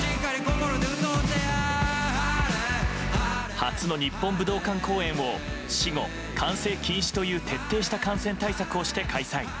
初の日本武道館公演を私語・歓声禁止という徹底した感染対策をして開催。